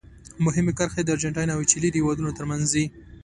مهمې کرښې د ارجنټاین او چیلي د هېوادونو ترمنځ دي.